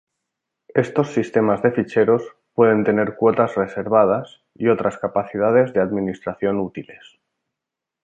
Estos sistemas de ficheros pueden tener cuotas reservadas y otras capacidades de administración útiles.